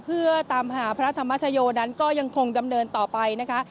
เพื่อตามหาพระธรรมชโยนั้นก็ยังคงดำเนินต่อไปนะคะ